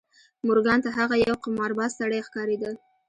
مورګان ته هغه یو قمارباز سړی ښکارېده